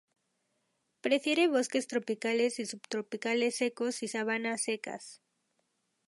Prefiere bosques tropicales y subtropicales secos y sabanas secas.